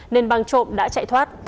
nên băng trộm đã chạy thoát